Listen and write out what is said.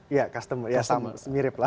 iya customer mirip lah